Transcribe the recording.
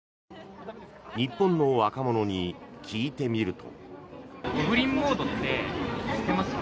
日本の若者に聞いてみると。